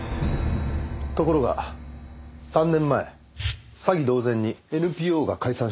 ところが３年前詐欺同然にＮＰＯが解散してしまった。